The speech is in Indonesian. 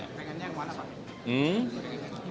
pengennya yang mana pak